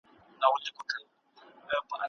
خپله د داستان متن ولولئ.